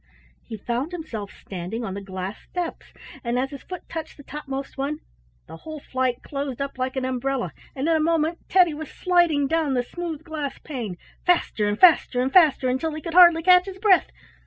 He found himself standing on the glass steps, and as his foot touched the topmost one the whole flight closed up like an umbrella, and in a moment Teddy was sliding down the smooth glass pane, faster and faster and faster until he could hardly catch his breath.